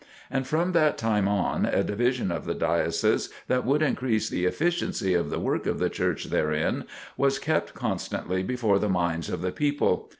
And from that time on, a division of the Diocese that would increase the efficiency of the work of the Church therein, was kept constantly before the minds of the people.